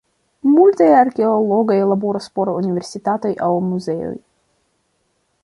Multaj arkeologoj laboras por universitatoj aŭ muzeoj.